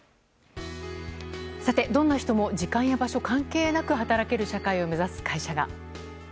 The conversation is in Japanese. どんな人も時間や場所関係なく働ける社会を目指す会社が。